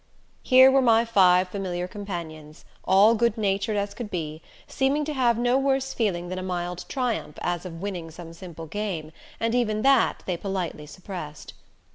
Here were my five familiar companions, all good natured as could be, seeming to have no worse feeling than a mild triumph as of winning some simple game; and even that they politely suppressed.